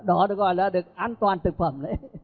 đó được gọi là được an toàn thực phẩm